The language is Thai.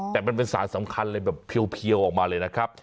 แต่มันเป็นสารสำคัญเลยแบบเพียวออกมาเลยนะครับ